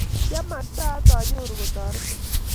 kiamaktaat ayoruu katorore